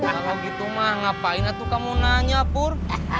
kalau gitu mah ngapain tuh kamu nanya pur